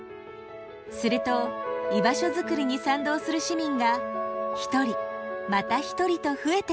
すると居場所づくりに賛同する市民が一人また一人と増えていきました。